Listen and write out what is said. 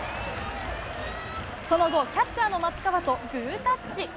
その後、キャッチャーの松川とグータッチ。